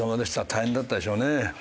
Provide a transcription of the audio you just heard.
大変だったでしょうね。